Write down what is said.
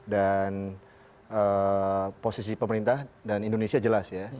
dan posisi pemerintah dan indonesia jelas ya